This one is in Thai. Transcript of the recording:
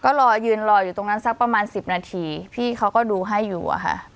ก็รอยืนรออยู่ตรงนั้นสักประมาณ๑๐นาทีพี่เขาก็ดูให้อยู่อะค่ะ